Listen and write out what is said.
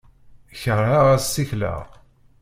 Kerheɣ ad ssikleɣ.